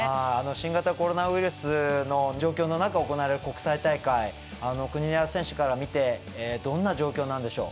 新型コロナウイルスの状況の中行われる国際大会国枝選手から見てどんな状況なんでしょう。